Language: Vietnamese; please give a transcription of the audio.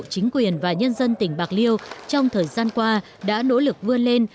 chính quyền và nhân dân tỉnh bạc liêu trong thời gian qua đã nỗ lực vươn lên